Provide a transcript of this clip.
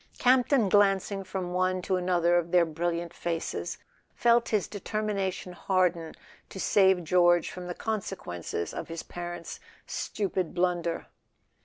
Camp ton, glancing from one to another of their brilliant faces, felt his determination harden to save George from the consequences of his parents' stupid blunder.